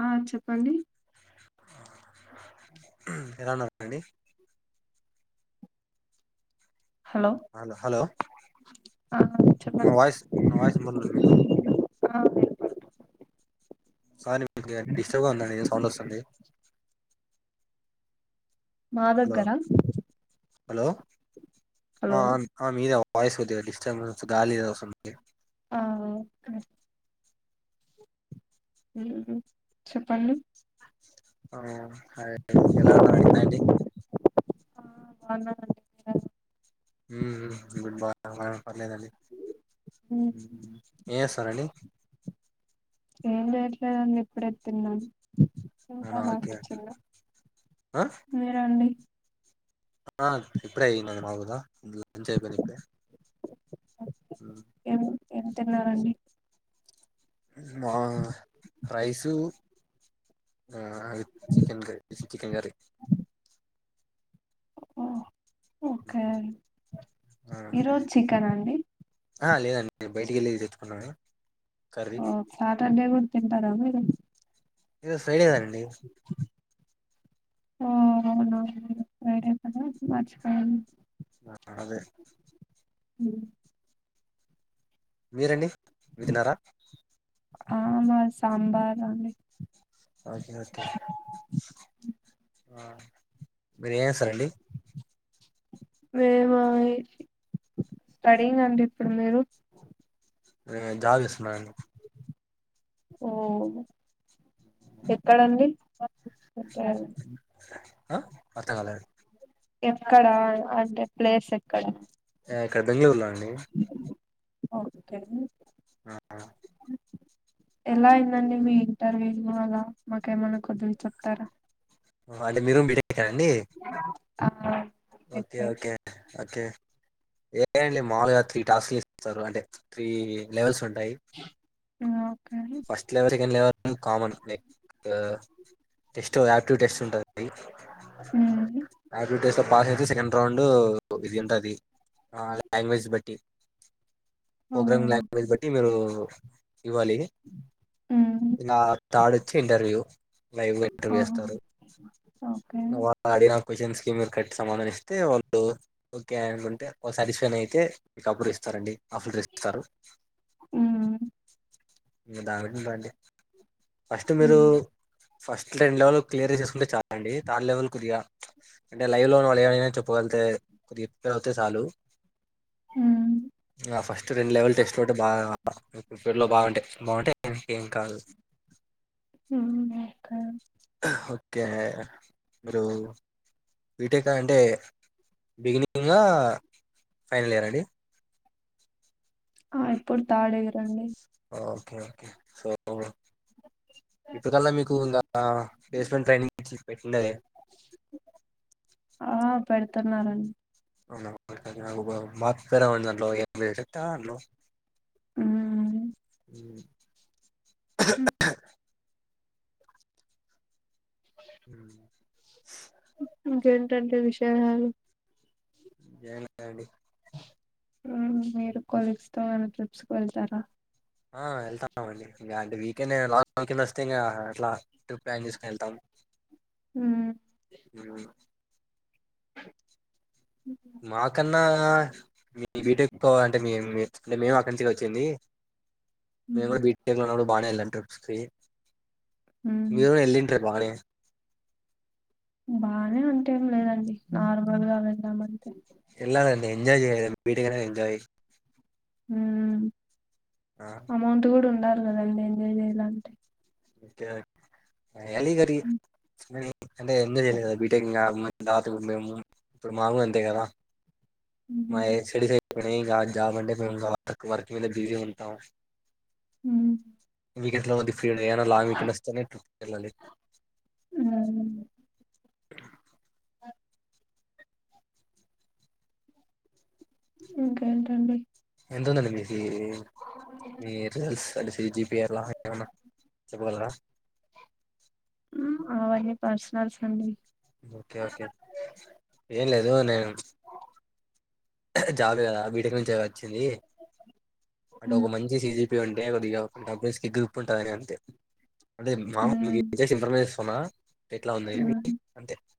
ఆ చెప్పండి ఉమ్మ్ ఎలా ఉన్నారు అండి హలో ఆ మా చెప్పండి వాయిస్ నా వాయిస్ వినబడుతుందా మీకు ఆ వినపడుతు సారీ మీ [unintelligible] డిస్టర్బ్ గా ఉందండి ఏదో సౌండ్ వస్తంది మా హలో దగ్గరా హలో అ ఆ మీద వాయిస్ కొద్దిగ డిస్టర్బెన్స్ గాలి ఏదో వస్సంది ఆ ఓకే ఉమ్ హు చెప్పండి ఆ హాయ్ ఎలా ఉన్నారండి హాయండి ఆ బాగున్నానండి [unintelligible] ఉమ్ ఉమ్ ఇప్పుడు బాగున్నాం గానీ పర్లేదండి ఉమ్, మ్మ్ హు ఏస్ సరండి ఏం జేయట్లేదండి ఇప్పుడే తిన్నాం ఇంకా అవునా అలా ఓకే అండి. కూర్చున్నా ఆ మీరండి ఆ ఇప్పుడే అయిందండి మాగుదా లంచ్ అయిపోయింది ఇప్పుడే ఉమ్ ఏం ఏం తిన్నారండి మా రైసు ఆ చికెన్ కర్రీ చికెన్ కరి ఓ ఓకే ఈరోజు చికెన్ అండి ఆ లేదండి నేను బయటికి వెళ్ళి తెచ్చుకున్నా ఓ సాటర్డే కూడా తింటారా మీరు ఈరోజు ఫ్రైడేనండి ఆ అవునవును వేరే కదా మర్చిపోయాను ఆ అదే హ్మ్ మీరండి తిన్నారా ఆ మాది సాంబార్ అండి ఓకే ఓకే ఆ మీరు ఏం [unintelligible] మేమా స్టడీయింగ్ అండి ఇప్పుడు మీరు నేను దాల్ చేసుకున్నా అండి ఓ ఎక్కడండి పెట్టారు ఆ అర్థం కాలేదు ఎక్కడా అంటే ప్లేస్ ఎక్కడ నేనిక్కడ బెంగళూరు లో అండి ఓకే హ్మ్ ఆహా ఎలా అయిందండి మీ ఇంటర్వ్యూ లో అలా మాకేమైన్నా కొచం చెప్తారా అంటే మీరు బీటెక్ ఆ అండి ఆ ఓకే ఓకే ఓకే ఏండి మాములుగా త్రీ టాస్క్ ఇస్తారు అంటే త్రీ లెవెల్స్ ఉంటా టాయి okay first level second level common like test aptitude test ఉంటంది ఆప్టిట్యూడ్ టెస్ట్ లో పాస్ అయితే సెకడ్ రాం ఇది ఉంటది ఆ లాంగ్వేజ్ బట్టి ఆ ప్రోగ్రామి ఓకే లాంగ్వేజ్ బట్టి మీరు ఇవ్వాలి ఇలా థర్డ్ వచ్చీ ఇంటర్వ్యూ లైవ్గా ఇంటర్వ ఆ చేస్తారుడి ఓకే క్వశ్చన్స్ కి మీరు కట్టి సమాధానిస్తే వాళ్ళు ఓకే అనుకుంటే ఒక సాటిస్ఫైన్ అయితే మీ అప్పుడు ఇస్తారండి ఆఫర్ లెటర్ ఇస్తారు దానికి [inaudible] ఫస్ట్ మీరు ఫస్ట్ రెండు లెవెల్ క్లియర్ చేసుకుంటే చాలండి తర్డ్ లెవెల్ కుదిగా అంటే లైవ్ లోన్ వాళ్ళ ఏమైనా చెప్పుగలితే కొద్ది ఎప్పు అవుతే చాలు ఆ ఫస్ట్ రెండు లెవెల్ టెస్ట్ అంటే బాగా ప్రిపేర్ లో బాగుంటాయి బాగుంటాయి ఏం కాదు [inaudible] ఓకే మీరు బీటెక్ అంటే బిగినింగ్గా ఫైనల్ ఇయర్ అండి ఆ ఇప్పుడు థర్డ్ యియర్ అండి ఓకే ఓకే సో ఇప్పటికల్లా మీకు ఇంకా ప్లేస్మెంట్ ట్రైనింగ్ పెట్టిండలే ఆ పెడుతున్నారండి అవున [inaudible] ఉమ్ హ హ అ ఇంకేంటండి విషయాలు ఏం లేదండి మీరు కొలీగ్స్ తో మన ట్రిప్స్కు వెళ్తారా ఆ వెళ్తాన్నామండి అంటే వీకెండ్ లాంగ్ వీకెండ్ వస్తే ఇంకా అట్లా ట్రిప్ ప్లాన్ చేసుకుని వెళ్తాము హ్మ్ హ మాకన్నా మీ బీటెక్ ఎక్కువ అంటే మ అంటే మేము అక్కడి నుంచి వచ్చింది మేము కూడా బీటెక్ లో ఉన్నపుడు బాగానే వెళ్ళం హ్మ్ మీరు ఎళ్ళంటరూ బాగానే బానే అంటే ఏం లేదండి నార్మల్ గా వెళ్దామంటే వెళ్ళాలీఅండి ఎంజాయ్ చేయాలి బీటెక్ అనేది ఎంజాయ్ ఉమ్ అమౌంట్ కూడా ఉండాలి కదండి ఎంజాయ్ చేయాల అంటే ఓకే ఎళ గరి హ్మ్ మ అంటే ఎంజాయ్ చేయాలి బీటెక్ [inaudible] దాతకు ఏమో ఇప్పుడు మాకు అంతే కదా మా స్టడీస్ అయిపోయినయి ఇంకా జాబ్ మీద వర్క్ మీద బిజీ గా ఉంటాం ఉమ్ వీక్ ఎలాగో ఫ్రీ ఉండదు ఏదైనా లాంగ్ వీకెండ్ వస్తే వెళ్ళాలి ఇంకేంటి అండి ఎన్ని రోజులు ఎల్లి మీ రిజల్స్ అంటసి జిపిఐర్లా ఏమన్నా చెప్పగలరా ఉ అవి పర్సనల్స్ అండి ఓకే ఓకే ఏం లేదు నేను జవేద బీటెక్ నుంచి వచ్చింది అంటే హ్మ్ ఒక మంచి సిజీపి ఉంటే కొద్దిగా డబుల్ స్కిట్లు ప్పుంటది అంతే అంటే మామూలు హ్మ్ ఇన్ఫర్మేషన్ ఇస్తున్న ఎట్లా ఉంది అని హ్మ్ అంతే ఆ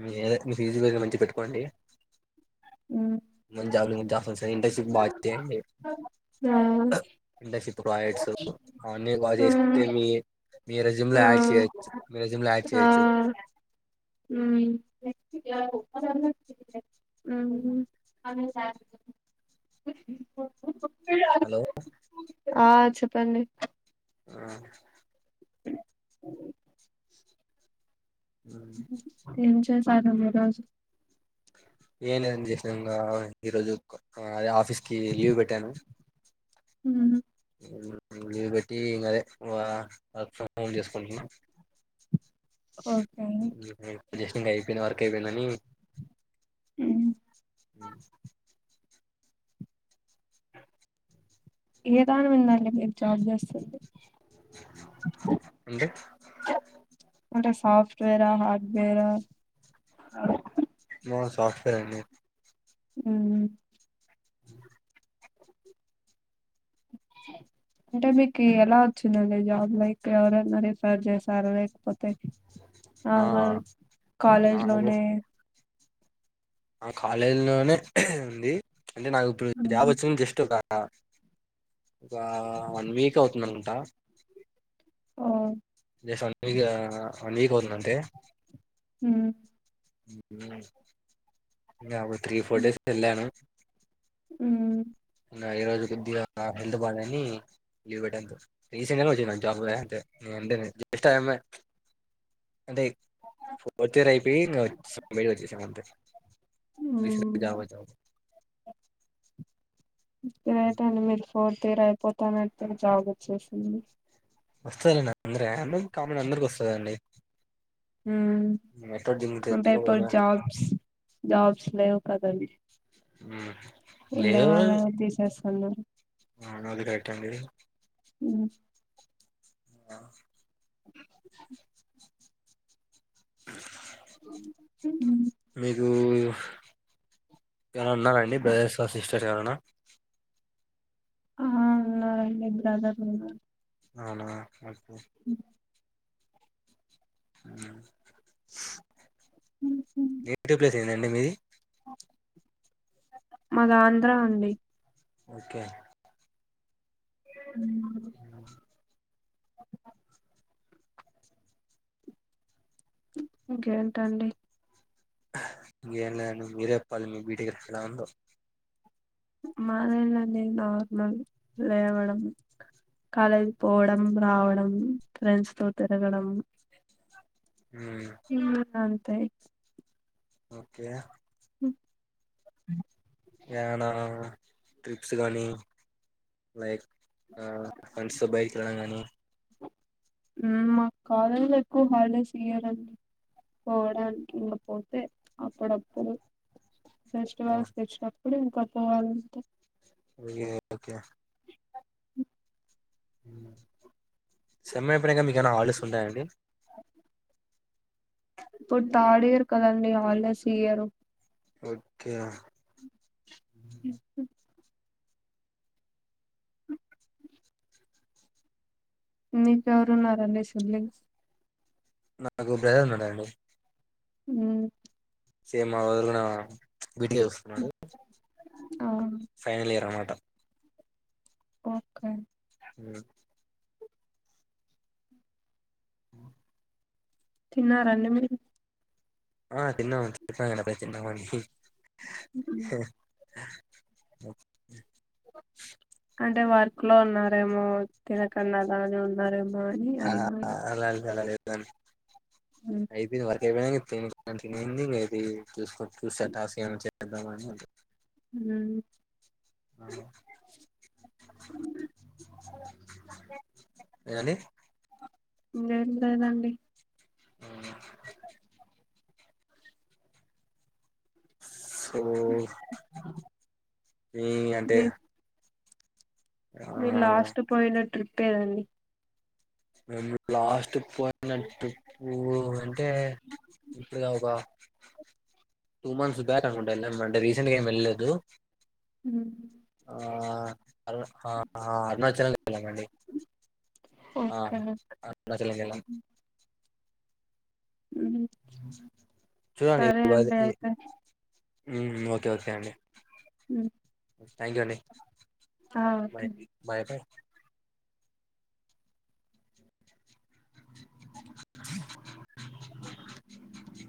ఉమ్ ఏదైతే మీ ఫీజు మంచిగా పెట్టుకోండి హ్మ్ మంజాదులు జాఫ్ వస్తే ఇంటర్షిప్ బా చెయ్యండి ఆ ఇండస్ట్రీ ప్రాజెక్ట్స్ అవన్నీ బాగా చేస్తే మీ మీ రెస్యూమ్ లో యాడ్ చేయొచ్చు మీ రెస్యూమ్ లో యాడ్ ఆ చేయొచ్చు ఇట్ల [unintelligible] మ్ [unintelligible] హలో ఆ చెప్పండి ఆ మ్ చెప్పాలి మీరు ఏం లేదు చేసిన ఇంకా ఈరోజు అదే ఆఫీస్ కి లీవ్ పెట్టాను ఊ లీవ్ పెట్టి ఇంగ అదే వర్క్ ఫ్రమ్ హోమ్ చేసుకుంటున్న ఓకే ఇంగ అయిపోయిన వర్క్ అయిపోయిందని మ్ ఏ దాని మీద అండి మీరు జాబ్ చేస్తుంది అంటే పాండస్ సాఫ్ట్వేరా హార్డ్వేరా అది ఆ సాఫ్ట్వేర్ అండి మ్ అంటే మీకు ఎలా వచ్చిందండి జాబ్ లైక్ ఎవరన్నా రిఫర్ చేసారా లేకపోతే ఆ, నార్మల్ కాలేజ్ లోనే ఆ కాలేజీ లోనే ఉంది అంటే నాకు ఇప్పుడు జాబ్ వచ్చింది జస్ట్ ఒక ఆ ఒక వన్ వీక్ అవుతుంది అనుకుంటా ఓ just one week one week అవుతుంది అంతే మ్ మ్ ఇంగా తీ ఫోర్ డేస్ ఎళ్లాను ఉమ్ ఇంగా ఈ రోజు కొద్దిగా హెల్త్ బాలే నీ లీవ్ పెట్టాను అంతే రీసెంట్ గానే వచ్చింది నాకు జాబ్ అంతే జస్ట్ ఐయామ్ ఏ అంటే ఫోర్త్ ఇయర్ అయిపోయి ఇంకా వచెస్ బయట వచ్చేసం అంతే రీసెంట్ ఉమ్ గానే జాబ్ వచ్చింది గ్రేట్ అండి మీరు ఫోర్త్ ఇయర్ అయిపోతానట్టే జాబ్ వచ్చేసింది వస్తదండి అందరు అన్న కామన్ అందరికి వస్తదండి మ్ ఎక్కడ దిగుతే అంటే ఇప్పుడు జాబ్స్ జాబ్స్ లేవు కదండి మ్ ఉండే వాళ్లనే తీసేసుతున్నారు అ అది కరెక్టే అండి ఆ మ్ ఊ. మీకు ఎవరన్నా ఉన్నార అండి, బ్రదర్స్ ఆర్ సిస్టర్స్ ఎవరన్నా. ఆ ఉన్నారు అండి, బ్రదర్ ఉన్నా. అవునా మంచిది. నేటివ్ ప్లేస్ ఏందండి మీది. మాద ఆంధ్ర అండి. ఓకే. మ్ మ్ ఇంకేంటండి. ఇంకేంలేదండి, మీరే చెప్పాలి, మీ బీటేక్ ఎట్లా ఉందొ. మాదెంలేంది నార్మల్ లేేవడం. కాలేజీ పోవడం, రావడం, ఫ్రెండ్స్ తో తిరగడం. ఉమ్ అంతే. ఓకే. హ ఏడ ట్రిప్స్ గానీ. లైక్ ఆ ఫ్రెండ్స్ తో బైక్ వెళ్ళడం గానీ. ఉమ్ మా కాలేజిలో ఎక్కువ హాల్ డేస్ ఇయ్యారండి. పోడానికి ఇంగ పోతే అప్పుడప్పుడు. ఫెస్టివల్స్ తెచ్చినప్పుడు ఇంకా పోవాలంతే. విఎ ఓకే. సేమ్ అయిపోయినక్కా మీకేమైనా హల్ డేస్లు ఉంటాయండి. ఇప్పుడు తాడఇయర్ కదండీ, హల్ డేస్ ఇయ్యారు. ఓక్కే. అ మీకెవరున్నారండి, సెల్లింగ్స్. నాకు బ్రదర్ ఉన్నాడండి. ఉమ్. సేమ్ మాములుగునా వీడియో చస్తున్నాడు. ఆ ఫైనల్ ఇయర్ అన్నమాట. ఓకే. హ తిన్నారండి మీరు. ఆ తిన్నామాం తిన్నానప్పడే తిన్నామండి. ఉ అంటే వర్క్ లో ఉన్నారేమో, తినకుండా అలానే ఉన్నారేమో అని, అడిగాయి. దన్ అయిపోయింది వర్. [unintelligible] ఉమ్. ఇవండీ. గంతేనండి. అ ఏ ఇయంటే. మీ మీరు లాస్ట్ పోయిన ట్రిప్ అదండి. ఉహు లాస్ట్. పోయిన ట్రిప్పు అంటే ఇప్పుడు ఒక. టూ మంత్స్ బ్యాక్ అనుకుంట, వెళ్ళ అంటే, రీసెంట్గా ఏమి వెళ్ళలేదు. మ్మ్. ఆ ఆ అరుణాచల అరుణాచలం అండి ఆ ఓకే అరుణాచలం [inaudible] మ్మ్. చూడండి సరే అండి అయితే హ్మ్మ్ ఓకే ఓకే అండి ఉమ్ థ్యాంక్ యూ అండి బాయ్ బాయ్